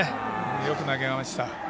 よく投げました。